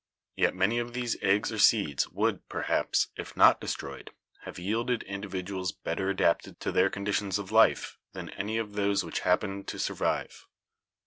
Yet many of these eggs or seeds would, perhaps, if not destroyed, have yielded individuals better adapted to their conditions of life than any of those which happened to survive.